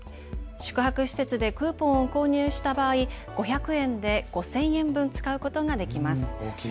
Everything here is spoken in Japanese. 宿泊施設でクーポンを購入した場合、５００円で５０００円分使うことができます。